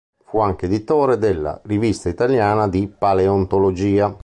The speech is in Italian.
Fu anche editore della "Rivista italiana di paleontologia".